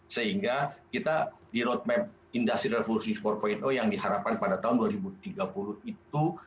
sehingga kita di roadmap industri revolusi empat yang diharapkan pada tahun dua ribu tiga puluh itu